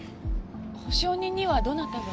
保証人にはどなたが？